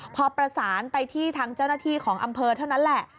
พอประสานไปที่ทางเจ้าหน้าที่ของอำเภอเท่านั้นแหละ